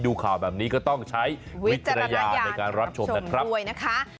ดูข่าวแบบนี้ก็ต้องใช้วิจารณญาณในการรับชมนะครับด้วยนะคะ